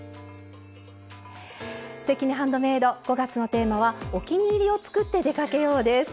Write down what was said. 「すてきにハンドメイド」５月のテーマは「お気に入りを作って出かけよう」です。